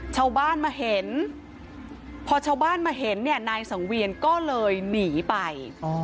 ชาวบ้านมาเห็นพอชาวบ้านมาเห็นเนี่ยนายสังเวียนก็เลยหนีไป